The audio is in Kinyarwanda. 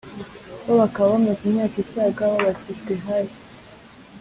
Bo bakaba bamaze imyaka isaga babatijwe hari